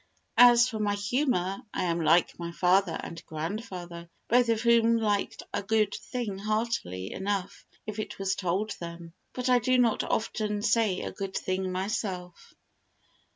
As for my humour, I am like my father and grandfather, both of whom liked a good thing heartily enough if it was told them, but I do not often say a good thing myself.